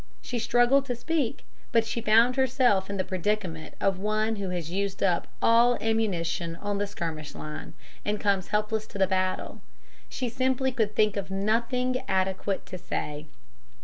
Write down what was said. She struggled to speak, but she found herself in the predicament of one who has used up all ammunition on the skirmish line, and comes helpless to the battle. She simply could think of nothing adequate to say.